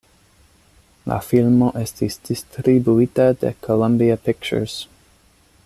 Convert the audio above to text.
La filmo estis distribuita de Columbia Pictures.